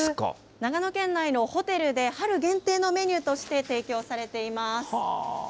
長野県内のホテルで春限定のメニューとして提供されています。